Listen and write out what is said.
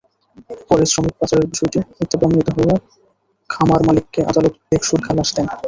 পরে শ্রমিক পাচারের বিষয়টি মিথ্যা প্রমাণিত হওয়ায় খামারমালিককে আদালত বেকসুর খালাস দেন।